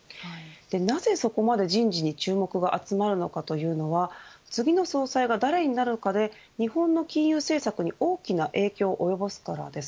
なぜそこまで人事に注目が集まるのかというのは次の総裁が誰になるかで日本の金融政策に大きな影響を及ぼすからです。